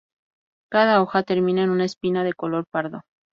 Cada hoja termina en una espina de color pardo.